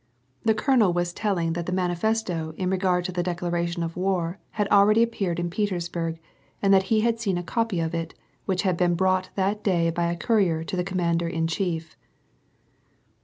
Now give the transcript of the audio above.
The colonel was telling that the manifesto in regard to the declaration of war had already appeared in Petersburg and that he had seen a copy of it which had been brought that day by a courier to the com mander in chief.